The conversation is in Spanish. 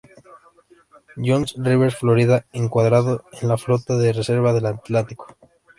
Johns River Florida, encuadrado en la Flota de Reserva del Atlántico.